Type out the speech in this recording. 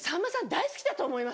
大好きだと思いますよ。